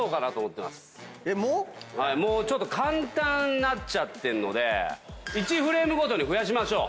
もう⁉簡単になっちゃってんので１フレームごとに増やしましょう